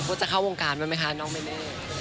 อาณแฮปจะเข้าวงการไปไหมค่ะน้องแม่เม่